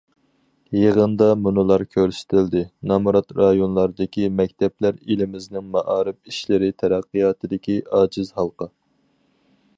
يىغىندا مۇنۇلار كۆرسىتىلدى: نامرات رايونلاردىكى مەكتەپلەر ئېلىمىزنىڭ مائارىپ ئىشلىرى تەرەققىياتىدىكى ئاجىز ھالقا.